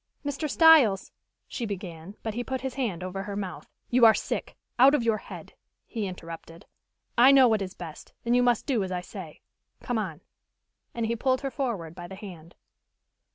"Mr. Styles " she began, but he put his hand over her mouth. "You are sick out of your head," he interrupted. "I know what is best, and you must do as I say. Come on." And he pulled her forward by the hand.